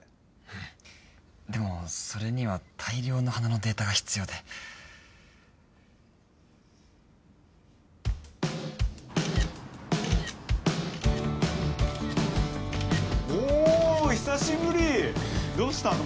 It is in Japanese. うんでもそれには大量の花のデータが必要でおお久しぶりどうしたの？